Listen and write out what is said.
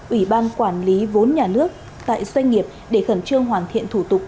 ủy ban quản lý vốn nhà nước tại doanh nghiệp để khẩn trương hoàn thiện thủ tục